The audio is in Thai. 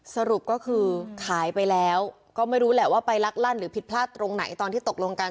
สรุปก็คือขายไปแล้วก็ไม่รู้แหละว่าไปลักลั่นหรือผิดพลาดตรงไหนตอนที่ตกลงกัน